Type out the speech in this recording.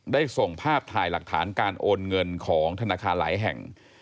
ส่งภาพถ่ายหลักฐานการโอนเงินของธนาคารหลายแห่ง